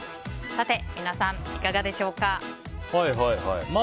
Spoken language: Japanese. さて皆さん、いかがでしょうか。